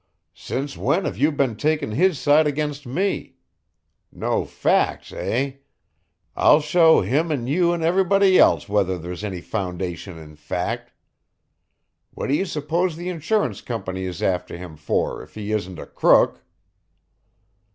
"Since when have you been takin' his side against me? No facts, eh? I'll show him an' you an' everybody else whether there's any foundation in fact! What do you suppose the insurance company is after him for if he isn't a crook?"